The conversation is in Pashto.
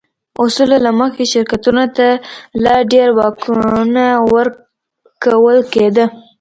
اصولو له مخې شرکتونو ته لا ډېر واکونه ورکول کېده.